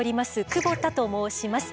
久保田と申します。